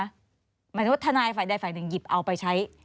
หมายถึงว่าทนายฝ่ายใดฝ่ายหนึ่งหยิบเอาไปใช้